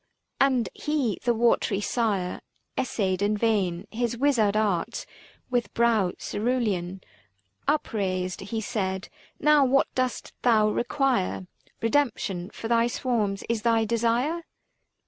And he the Watery Sire, essayed in vain His wizard arts ; with brow cerulean Upraised, he said :" Now what dost thou require ? 405 Kedemption for thy swarms is thy desire